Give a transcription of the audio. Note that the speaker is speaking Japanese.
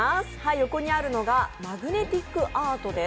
横にあるのがマグネティックアートです。